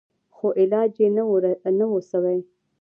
خو علاج يې نه و سوى.